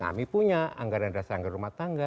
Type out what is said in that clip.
kami punya anggaran dasar anggaran rumah tangga